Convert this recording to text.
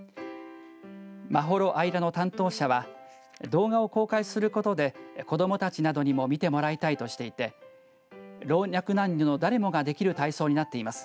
まほろあいらの担当者は動画を公開することで子どもたちなどにも見てもらいたいとしていて老若男女の誰もができる体操になっています。